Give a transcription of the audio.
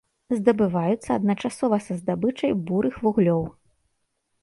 Здабываюцца адначасова са здабычай бурых вуглёў.